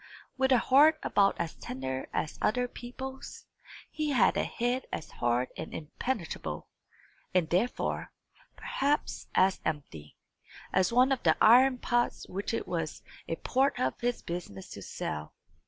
With a heart about as tender as other people's, he had a head as hard and impenetrable, and therefore, perhaps, as empty, as one of the iron pots which it was a part of his business to sell.